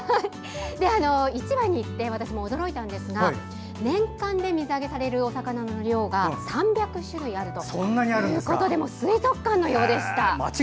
市場に行って私も驚いたんですが年間で水揚げされるお魚の量が３００種類あるということで水族館のようでした。